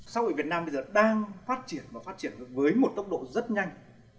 xã hội việt nam bây giờ đang phát triển và phát triển được với một tốc độ rất nhanh